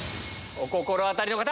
お心当たりの方！